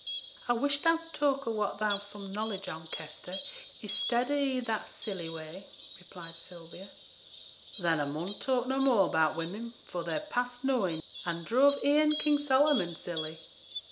'I wish thou'd talk of what thou's some knowledge on, Kester, i'stead of i' that silly way,' replied Sylvia. 'Then a mun talk no more 'bout women, for they're past knowin', an' druv e'en King Solomon silly.'